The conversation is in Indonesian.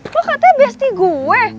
kok katanya besti gue